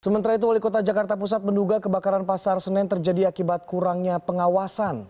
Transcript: sementara itu wali kota jakarta pusat menduga kebakaran pasar senen terjadi akibat kurangnya pengawasan